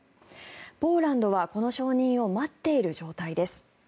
ポーランドはこの承認を待っている状態です。